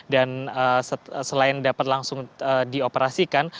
dan selain dapat langsung dioperasikan